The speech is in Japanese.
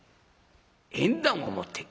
縁談を持ってくる。